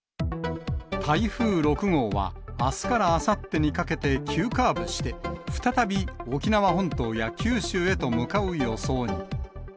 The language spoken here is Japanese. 台風６号は、あすからあさってにかけて急カーブして、再び沖縄本島や九州へと向かう予想に。